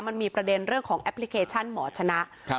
มันมีประเด็นเรื่องของแอปพลิเคชันหมอชนะครับ